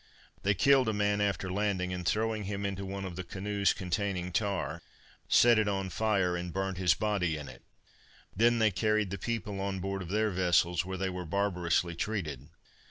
They killed a man after landing, and throwing him into one of the canoes containing tar, set it on fire, and burnt his body in it. Then they carried the people on board of their vessels, where they were barbarously treated.